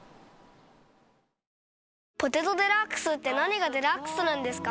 「ポテトデラックス」って何がデラックスなんですか？